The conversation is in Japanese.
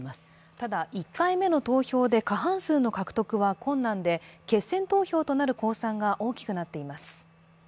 ただ１回目の投票で過半数の獲得は困難で、決選投票となる公算が大きくなっています。